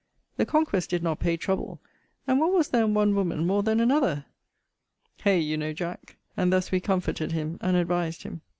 The conquest did not pay trouble; and what was there in one woman more than another? Hay, you know, Jack! And thus we comforted him, and advised him.